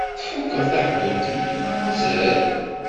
Tfukkeḍ taḥbult-nni neɣ mazal?